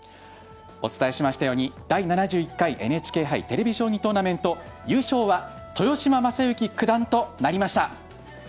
お伝えしましたように第７１回ＮＨＫ杯テレビ将棋トーナメント優勝は豊島将之九段となりました。